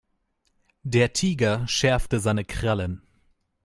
Der Tiger schärfte seine Krallen.